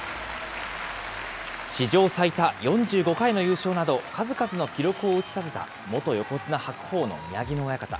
史上最多４５回の優勝など、数々の記録を打ち立てた元横綱・白鵬の宮城野親方。